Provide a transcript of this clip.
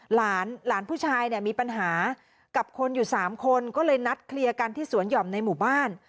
หลานหลานผู้ชายเนี่ยมีปัญหากับคนอยู่สามคนก็เลยนัดเคลียร์กันที่สวนหย่อมในหมู่บ้าน